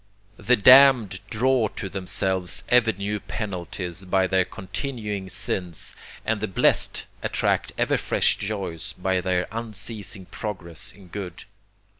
The damned draw to themselves ever new penalties by their continuing sins, and the blest attract ever fresh joys by their unceasing progress in good.